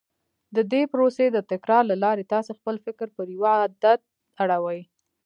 د دې پروسې د تکرار له لارې تاسې خپل فکر پر يوه عادت اړوئ.